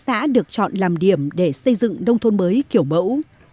đảng bộ chính quyền đã được chọn làm điểm để xây dựng nông thôn mới kiểu mẫu